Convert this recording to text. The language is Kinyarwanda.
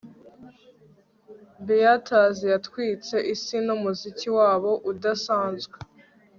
Beatles yatwitse isi numuziki wabo udasanzwe